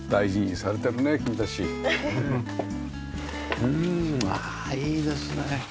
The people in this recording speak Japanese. うんああいいですねえ。